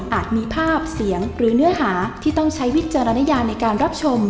มีภาพเสียงหรือเนื้อหาที่ต้องใช้วิจารณญาในการรับชม